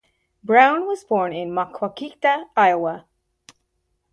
Brown was born in Maquoketa, Iowa.